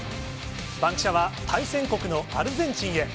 バンキシャは対戦国のアルゼンチンへ。